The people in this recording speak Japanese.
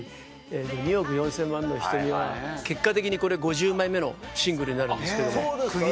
『２億４千万の瞳』は結果的にこれ５０枚目のシングルになるんですけども。